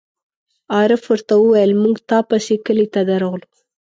عارف ور ته وویل: مونږ تا پسې کلي ته درغلو.